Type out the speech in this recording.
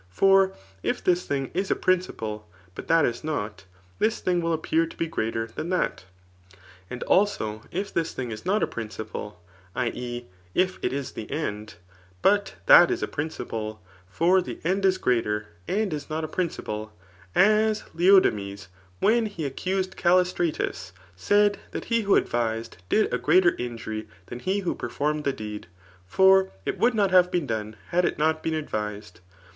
For if Ais thing is a priactpk^ iMft that is not, this thing will appear to be greal^ than dtft, Atoit alto^ if this tiling is not a fdrincipte, [i. e. if CHAVC VII. RHSTOfllC. 41^ it it Ihe end^] but that is a {rtindj^ ; for the efid h gftater^ and is not a principle ; as Leodanes, when he accused CaUistratus, said» that he who advised did a gveater ii^ury dian he who performed the deed ; for it %rould not have been done had it not been advised.